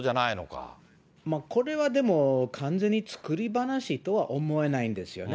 でも、完全に作り話とは思えないんですよね。